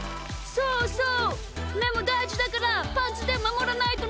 そうそう！